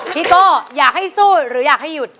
โก้อยากให้สู้หรืออยากให้หยุด